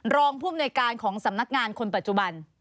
รองภูมิในการของสำนักงานคนปัจจุบัน